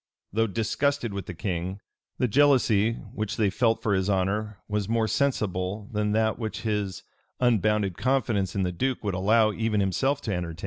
[] Though disgusted with the king, the jealousy which they felt for his honor was more sensible than that which his unbounded confidence in the duke would allow even himself to entertain.